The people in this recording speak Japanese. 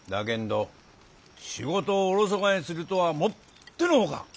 けんど仕事をおろそかにするとはもっての外。